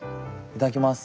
いただきます。